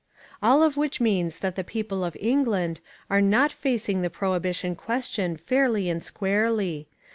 All of which means that the people of England are not facing the prohibition question fairly and squarely.